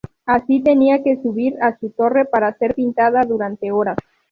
Así tenía que subir a su torre para ser pintada durante horas.